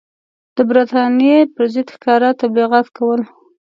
د برټانیې پر ضد ښکاره تبلیغات کول.